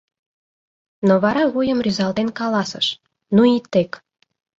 Но вара вуйым рӱзалтен каласыш: — Ну и тек!..